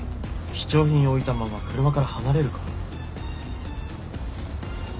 貴重品を置いたまま車から離れるか？